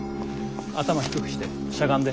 頭低くしてしゃがんで。